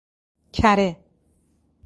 کره